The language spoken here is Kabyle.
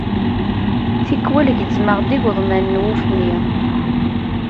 Tikwal gezzmeɣ-d igeḍman n wufni.